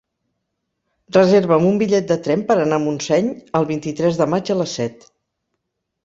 Reserva'm un bitllet de tren per anar a Montseny el vint-i-tres de maig a les set.